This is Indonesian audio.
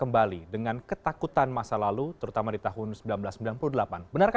pam sua karsa